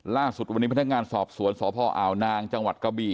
ล่าสุดวันนี้พนักงานสอบสวนสพอ่าวนางจังหวัดกะบี่